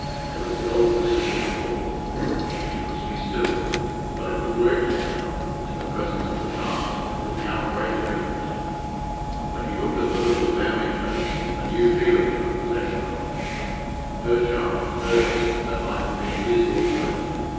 There was the old persistent thought, "She loves me still," but it was working now, in the presence of the child, with how great a difference! When he looked at the little, downy face, a new feeling took possession of him. Her child hers that might have been his also!